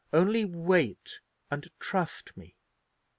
Only wait, and trust me."